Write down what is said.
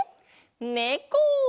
ねこ！